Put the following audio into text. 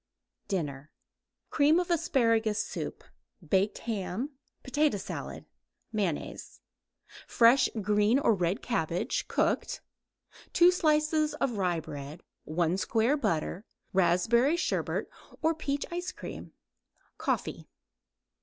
DINNER Cream of asparagus soup; baked ham; potato salad; mayonnaise; fresh green or red cabbage, cooked; 2 slices rye bread; 1 square butter; raspberry sherbet or peach ice cream. Coffee.